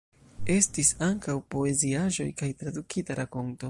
Estis ankaŭ poeziaĵoj kaj tradukita rakonto.